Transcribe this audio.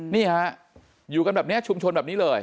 นี่ฮะอยู่กันแบบนี้ชุมชนแบบนี้เลย